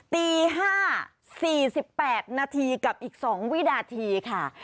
ตี๕๔๘นาทีกับอีก๒วินาทีค่ะ